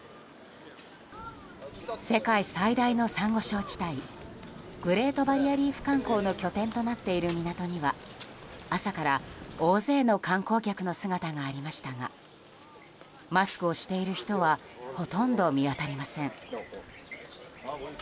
世界最大のサンゴ礁地帯グレートバリアリーフ観光の拠点となっている港には朝から大勢の観光客の姿がありましたがマスクをしている人はほとんど見当たりません。